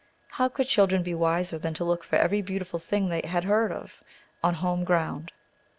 How should children be wiser than to look for every beautiful thing they have heard of, on home ground?